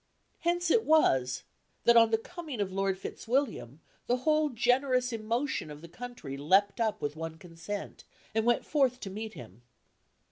Hence it was that, on the coming of Lord Fitzwilliam, the whole generous emotion of the country leapt up with one consent, and went forth to meet him.